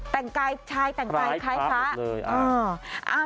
แต่งกายชายแต่งกายคล้ายพระ